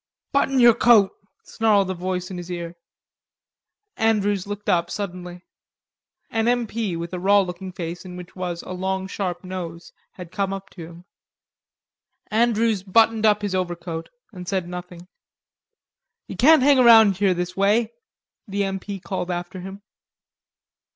"Button yer coat," snarled a voice in his ear. Andrews looked up suddenly. An M. P. with a raw looking face in which was a long sharp nose, had come up to him. Andrews buttoned up his overcoat and said nothing. "Ye can't hang around here this way," the M. P. called after him.